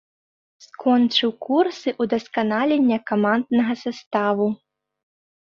Скончыў курсы ўдасканалення каманднага саставу.